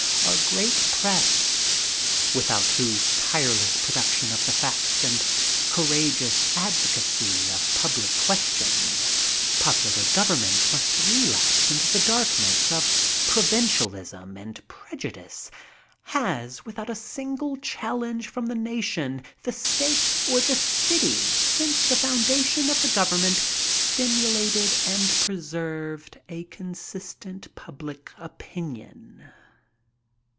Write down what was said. Our great press, without whose tireless production of the facts and courageous advocacy of public questions, popular government must relapse into the darkness of provincialism and preju dice, has, without a single challenge from the nation, the State or the city since the foundation of the Gov ernment, stimulated and preserved a consistent public opinion.